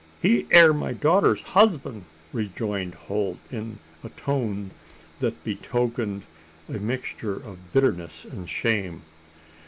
"He air my daughter's husband," rejoined Holt, in a tone that betokened a mixture of bitterness and shame.